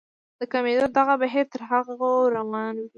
د کمېدو دغه بهير تر هغو روان وي.